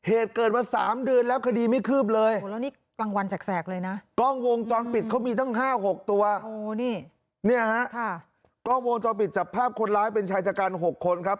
โอ้นี่นี่ฮะกล้องโวงจอปิดจับภาพคนร้ายเป็นชายจัดการหกคนครับ